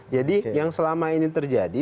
jadi yang selama ini terjadi